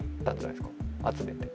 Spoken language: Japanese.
集めて。